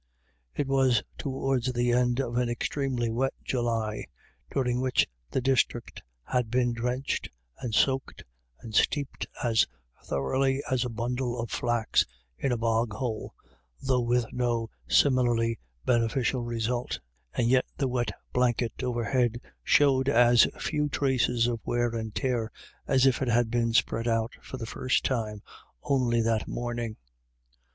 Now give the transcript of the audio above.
It was towards the end of an extremely wet July, during which the district had been drenched and soaked and steeped as thoroughly as a bundle of flax in a bog hole, though with no similarly beneficial result ; and yet the wet blanket over head showed as few traces of wear and tear as if it had been spread out for the first time only that morning.